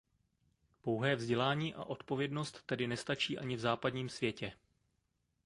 Pouhé vzdělání a odpovědnost tedy nestačí ani v západním světě.